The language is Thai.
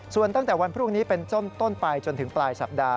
ส่วนตั้งแต่วันพรุ่งนี้เป็นต้นไปจนถึงปลายสัปดาห